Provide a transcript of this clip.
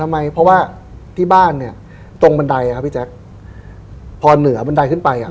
ไหมเพราะว่าที่บ้านเนี้ยตรงบันไดอ่ะพี่แจ๊คพอเหนือบันไดขึ้นไปอ่ะ